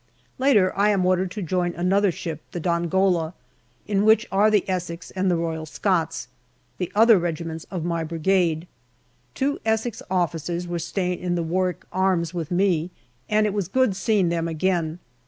Later, I am ordered to join another ship, the Dongola, in which are the Essex and the Royal Scots, the other regiments of my Brigade. Two Essex officers were staying in the " Warwick Arms " with me, and it was good seeing them again.